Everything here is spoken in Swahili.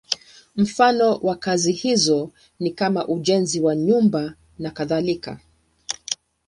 Mfano wa kazi hizo ni kama ujenzi wa nyumba nakadhalika.